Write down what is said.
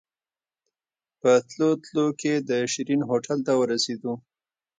په تلو تلو کې د شيرين هوټل ته ورسېدو.